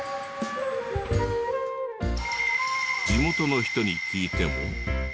地元の人に聞いても。